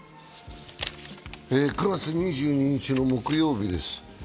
９月２２日の木曜日です。